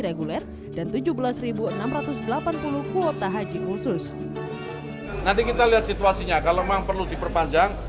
reguler dan tujuh belas enam ratus delapan puluh kuota haji khusus nanti kita lihat situasinya kalau memang perlu diperpanjang